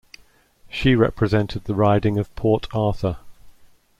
She represented the riding of Port Arthur.